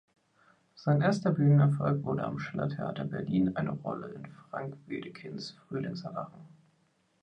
Sein erster Bühnenerfolg wurde am Schillertheater Berlin eine Rolle in Frank Wedekinds "Frühlings Erwachen".